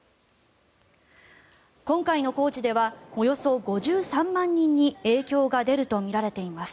今回の工事ではおよそ５３万人に影響が出るとみられています。